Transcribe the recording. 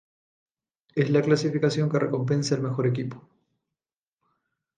Es la clasificación que recompensa el mejor equipo.